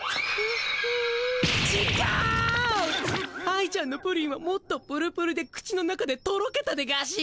愛ちゃんのプリンはもっとぷるぷるで口の中でとろけたでガシ。